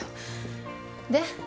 で？